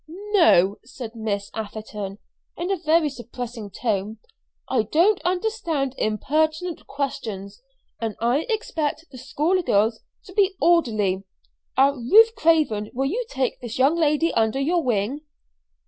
"No," said Miss Atherton in a very suppressing tone. "I don't understand impertinent questions, and I expect the schoolgirls to be orderly. Ah, Ruth Craven! Will you take this young lady under your wing?"